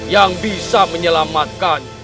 yang bisa menyelamatkan